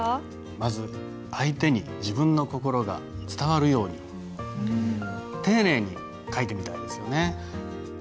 まず相手に自分の心が伝わるように丁寧に書いてみたいですよね。